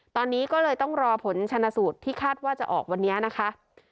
ตอนนี้ก็เลยต้องรอผลชนะสูตรที่คาดว่าจะออกวันนี้นะคะ